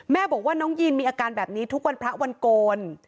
บอกว่าน้องยีนมีอาการแบบนี้ทุกวันพระวันโกน